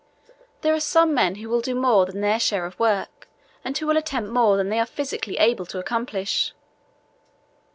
There are some men who will do more than their share of work and who will attempt more than they are physically able to accomplish.